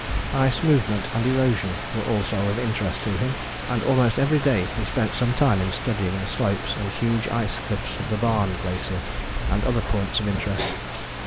Ice movement and erosion were also of interest to him, and almost every day he spent some time in studying the slopes and huge ice cliffs of the Barne Glacier, and other points of interest.